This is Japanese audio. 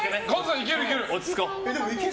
いける、いける。